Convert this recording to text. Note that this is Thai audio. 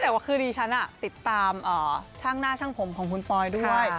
แต่ว่าคือดิฉันติดตามช่างหน้าช่างผมของคุณปอยด้วย